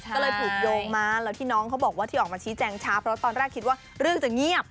ก็เลยถูกโยงมาแล้วที่น้องเขาบอกว่าที่ออกมาชี้แจงช้าเพราะตอนแรกคิดว่าเรื่องจะเงียบ